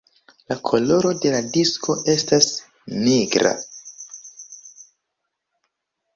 La koloro de la disko estas nigra.